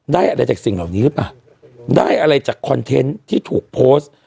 ได้อะไรจากสิ่งเหล่านี้หรือเปล่าได้อะไรจากคอนเทนต์ที่ถูกโพสต์